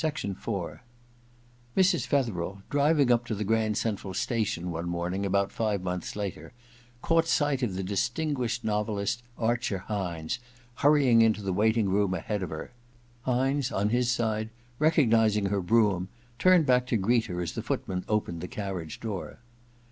i IV Mrs. Fetherel, driving up to the Grand Central Station one morning about five months later, caught sight of the distinguished novelist, Archer Hyncs, hurrying into the waiting room ahead of her. Hynes, on his side, recognizing her brougham, turned back to greet her as the footman opened the carriage door.